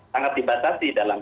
sangat dibatasi dalam